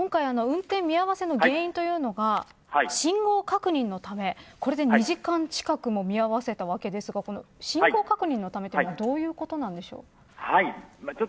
今回、運転見合わせの原因というのが信号確認のためこれで２時間近くも見合わせたわけですが信号確認のためというのはどういうことでしょう。